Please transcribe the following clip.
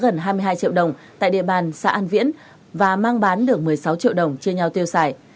huyện trảng bom trị giá gần hai mươi hai triệu đồng tại địa bàn xã an viễn và mang bán được một mươi sáu triệu đồng chia nhau tiêu xài